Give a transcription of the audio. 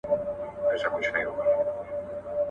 • خوريى د ماما د مېني لېوه دئ.